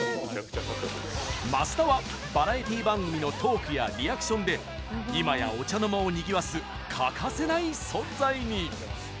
増田はバラエティー番組のトークやリアクションでいまや、お茶の間をにぎわす欠かせない存在に。